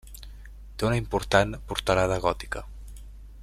Té una important portalada gòtica.